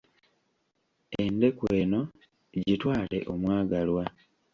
Endeku eno, gitwale, omwagalwa!